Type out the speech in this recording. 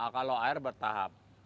kalau air bertahap